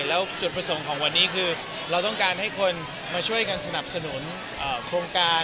แล้วจุดประสงค์ของวันนี้คือเราต้องการให้คนมาช่วยกันสนับสนุนโครงการ